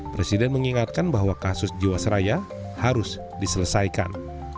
presiden mengingatkan bahwa kasus jiwasraya harus diselesaikan